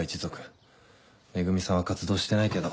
恵美さんは活動してないけど。